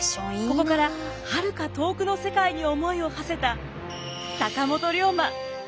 ここからはるか遠くの世界に思いをはせた坂本龍馬。